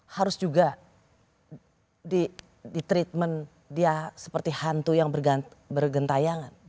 harus juga di treatment dia seperti hantu yang bergentayangan